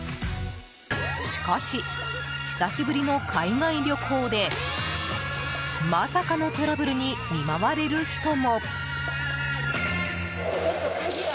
しかし、久しぶりの海外旅行でまさかのトラブルに見舞われる人も。